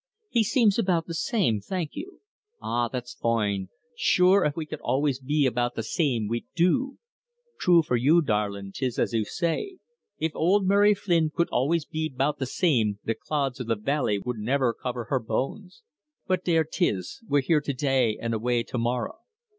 "He seems about the same, thank you." "Ah, that's foine. Shure, if we could always be 'about the same,' we'd do. True for you, darlin', 'tis as you say. If ould Mary Flynn could be always ''bout the same,' the clods o' the valley would never cover her bones. But there 'tis we're here to day, and away tomorrow.